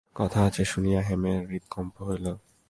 কথা আছে শুনিয়া হেমের হৃৎকম্প হইল।